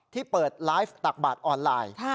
ที่เปิดไลฟ์ตักบาทออนไลน์